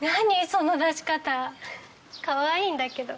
その出し方。かわいいんだけど。